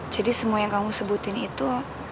jadi semua yang kamu sebutin itu